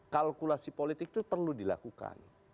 kalkulasi politik itu perlu dilakukan